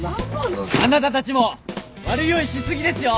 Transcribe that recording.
あなたたちも悪酔いし過ぎですよ！